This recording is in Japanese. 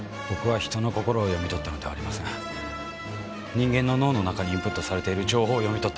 人間の脳の中にインプットされている情報を読み取ったんです。